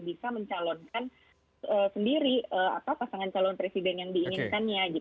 bisa mencalonkan sendiri pasangan calon presiden yang diinginkannya